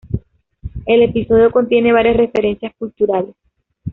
El episodio contiene varias referencias culturales.